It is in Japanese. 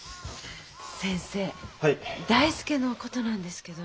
先生大介のことなんですけど。